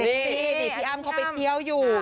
นี่พี่อ้ำเขาไปเที่ยวอยู่